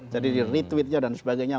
jadi di retweetnya dan sebagainya